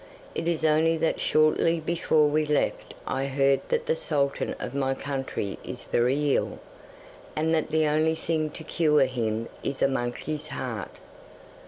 It is only that shortly before we left I heard that the sultan of my country is very ill, and that the only thing to cure him is a monkey's heart.